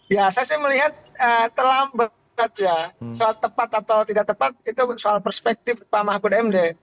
ya saya sih melihat terlambat ya soal tepat atau tidak tepat itu soal perspektif pak mahfud md